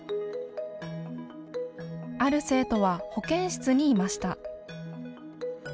ある生徒は保健室にいました。